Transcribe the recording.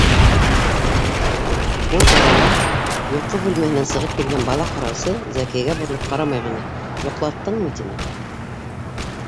Ул арала йоҡо бүлмәһенән сығып килгән бала ҡараусы Зәкиәгә боролоп ҡарамай ғына: - Йоҡлаттыңмы? - тине.